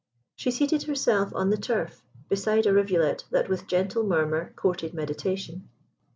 She seated herself on the turf, beside a rivulet that with gentle murmur courted meditation.